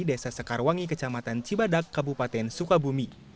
desa sekarwangi kecamatan cibadak kabupaten sukabumi